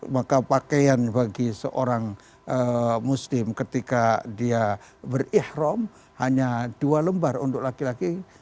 maka pakaian bagi seorang muslim ketika dia berikhram hanya dua lembar untuk laki laki